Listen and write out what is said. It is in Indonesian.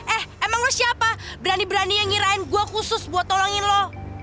eh emang lo siapa berani berani yang ngirain gue khusus buat tolongin lo